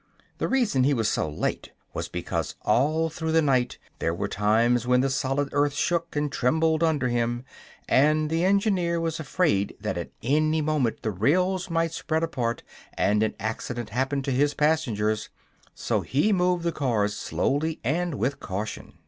The reason he was so late was because all through the night there were times when the solid earth shook and trembled under him, and the engineer was afraid that at any moment the rails might spread apart and an accident happen to his passengers. So he moved the cars slowly and with caution.